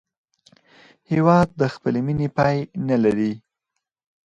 هېواد د خپلې مینې پای نه لري.